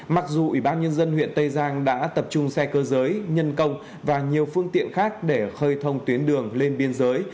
mặc dù ủy ban nhân dân huyện tây giang đã tập trung xe cơ giới nhân công và nhiều phương tiện khác để khơi thông tuyến đường lên biên giới